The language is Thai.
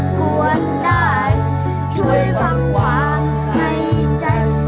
ขอให้รบกวนได้ช่วยฝังหวานในใจ